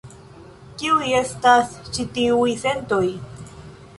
Kiuj estas ĉi tiuj sentoj?